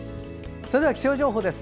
それでは気象情報です。